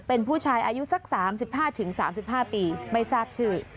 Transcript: เป็นผู้ชายอายุสักสามสิบห้าถึงสามสิบห้าปีไม่ทราบชื่อ